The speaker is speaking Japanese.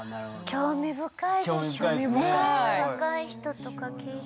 興味深い。